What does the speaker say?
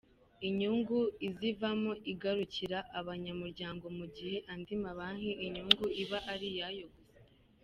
Inyungu izivamo igarukira abanyamuryango mu gihe andi mabanki inyungu iba ari iyayo gusa.